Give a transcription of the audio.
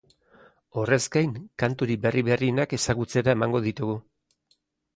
Horrez gain, kanturik berri berrienak ezagutzera emango ditugu.